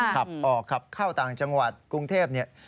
เขาเข้าต่างจังหวัดกรุงเทพเนี่ย